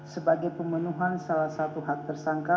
sebagai pemenuhan salah satu hak tersangka